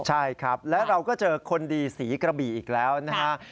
ใช่ครับและเราก็เจอคนดีสีกระบี่อีกแล้วนะฮะ